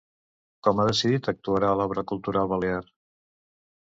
Com ha decidit actuarà l'Obra Cultural Balear?